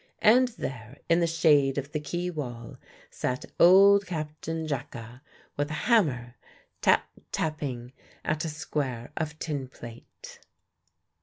And there, in the shade of the quay wall, sat old Captain Jacka with a hammer, tap tapping at a square of tinplate.